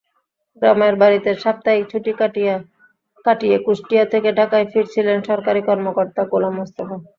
গ্রামের বাড়িতে সাপ্তাহিক ছুটি কাটিয়ে কুষ্টিয়া থেকে ঢাকায় ফিরছিলেন সরকারি কর্মকর্তা গোলাম মোস্তফা।